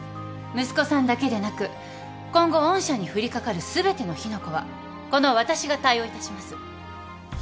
息子さんだけでなく今後御社に降りかかる全ての火の粉はこの私が対応いたします。